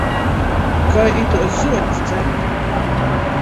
Kai ituos zuolis dzert?